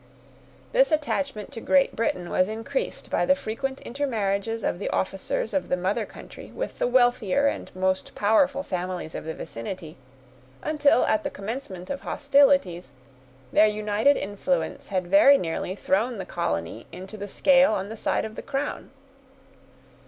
This attachment to Great Britain was increased by the frequent intermarriages of the officers of the mother country with the wealthier and most powerful families of the vicinity, until, at the commencement of hostilities, their united influence had very nearly thrown the colony into the scale on the side of the crown.